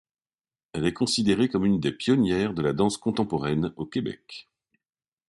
Elle est considérée comme une des pionnières de la danse contemporaine au Québec.